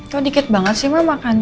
tau dikit banget sih mak makannya